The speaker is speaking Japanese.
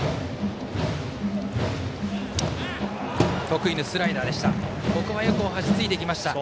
得意のスライダーでした。